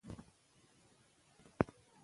افغانستان کې طلا د چاپېریال د تغیر نښه ده.